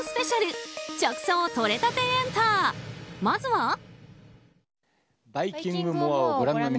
まずは。